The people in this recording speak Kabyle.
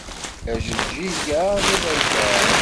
Ajeǧǧig-a d aberkan.